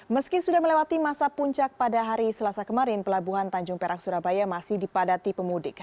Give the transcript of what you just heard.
meski sudah melewati masa puncak pada hari selasa kemarin pelabuhan tanjung perak surabaya masih dipadati pemudik